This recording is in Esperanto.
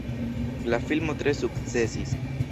La filmo tre sukcesis.